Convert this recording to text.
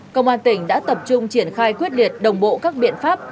công an tỉnh đã tập trung triển khai quyết liệt đồng bộ các biện pháp